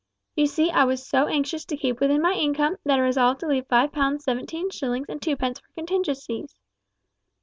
You see I was so anxious to keep within my income, that I resolved to leave five pounds seventeen shillings and two pence for contingencies.